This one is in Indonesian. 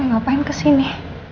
mau ngapain kesini